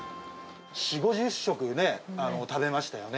４、５０食ね、食べましたよね。